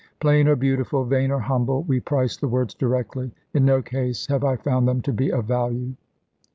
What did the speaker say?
"Plain or beautiful, vain or humble, we price the words directly. In no case have I found them to be of value."